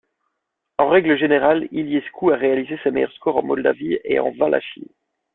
En règle générale, Iliescu a réalisé ses meilleurs score en Moldavie et en Valachie.